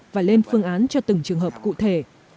và lên phương án cho từng trường hợp cụ thể